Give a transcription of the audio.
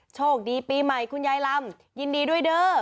โชคดีปีใหม่คุณยายลำยินดีด้วยเด้อ